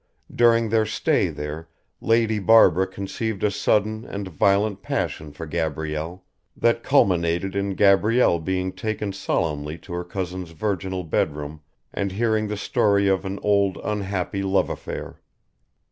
During their stay there Lady Barbara conceived a sudden and violent passion for Gabrielle, that culminated in Gabrielle being taken solemnly to her cousin's virginal bedroom and hearing the story of an old unhappy love affair.